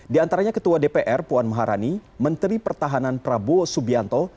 di antaranya ketua dpr puan maharani menteri pertahanan prabowo subianto